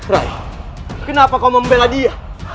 roy kenapa kau membela dia